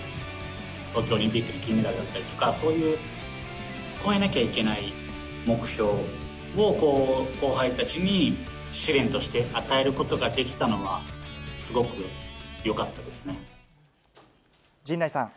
東京オリンピックでの金メダルだったりとか、そういう、超えなきゃいけない目標を、後輩たちに試練として与えることができたのは、すごくよかったで陣内さん。